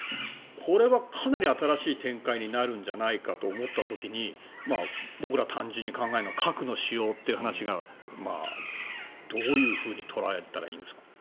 これはかなり新しい展開になるんじゃないかと思った時に僕ら、単純に考えるのは核の使用という話がどういうふうに捉えたらいいんですかね。